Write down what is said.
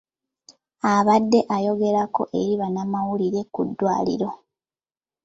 Abadde ayogerako eri bannamawulire ku ddwaliro.